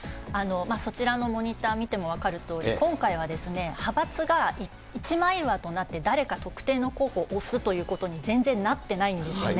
そちらのモニター見ても分かるとおり、今回は派閥が一枚岩となって、誰か特定の候補を推すということに全然なってないんですね。